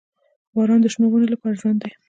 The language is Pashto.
• باران د شنو ونو لپاره ژوند دی.